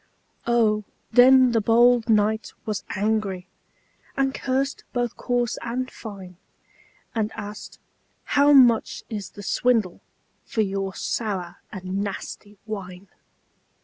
Oh, then the bold knight was angry, And cursed both coarse and fine; And asked, "How much is the swindle For your sour and nasty wine?"